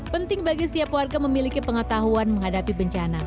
penting bagi setiap warga memiliki pengetahuan menghadapi bencana